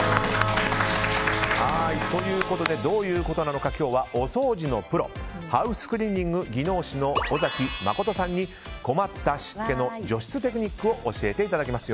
どういうことなのか今日は、お掃除のプロハウスクリーニング技能士の尾崎真さんに困った湿気の除湿テクニックを教えていただきます。